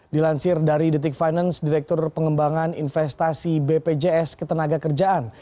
dilansir dari detik finance direktur pengembangan investasi bpjs ketenaga kerjaan